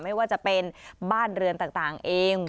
ไม่ว่าจะเป็นบ้านเรือนต่างเอง